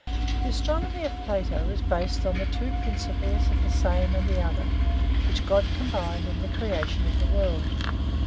The astronomy of Plato is based on the two principles of the same and the other, which God combined in the creation of the world.